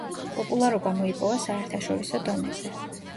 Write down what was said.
პოპულარობა მოიპოვა საერთაშორისო დონეზე.